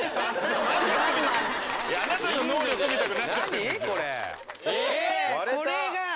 いやあなたの能力みたくなっちゃってんですよ